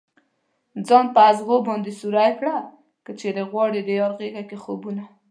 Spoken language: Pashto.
ځان په ازغو باندې سوری كړه كه چېرې غواړې ديار غېږه كې خوبونه